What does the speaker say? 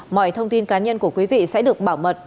mọi thông tin cá nhân của quý vị sẽ được bảo mật